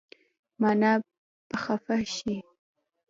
مانه به خفه شې